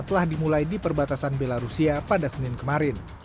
telah dimulai di perbatasan belarusia pada senin kemarin